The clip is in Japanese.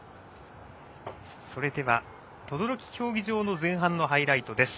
それでは、等々力競技場の前半のハイライトです。